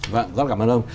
vâng rất cảm ơn ông